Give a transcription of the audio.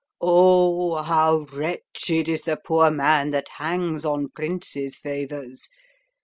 O how wretched Is the poor man that hangs on princes' favours!